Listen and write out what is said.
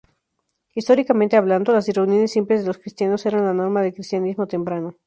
Históricamente hablando, las reuniones simples de los cristianos eran la norma del cristianismo temprano.